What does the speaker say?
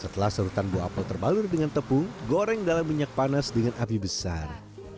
setelah serutan buah apel terbalur dengan tepung goreng dalam minyak panas dengan api besar